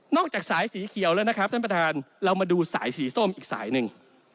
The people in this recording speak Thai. จากสายสีเขียวแล้วนะครับท่านประธานเรามาดูสายสีส้มอีกสายหนึ่ง